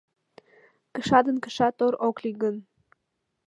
Кыша ден кыша тор ок лий гын